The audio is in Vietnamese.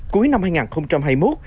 cuối năm hai nghìn hai mươi